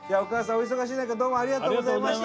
お忙しい中どうもありがとうございました。